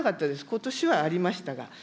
ことしはありましたが。